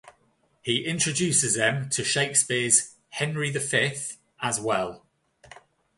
He introduces them to Shakespeare's "Henry the Fifth" as well.